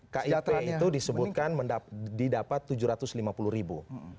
kip itu disebutkan didapat tujuh ratus lima puluh ribu